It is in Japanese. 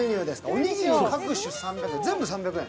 おにぎり各種３００円、全部３００円？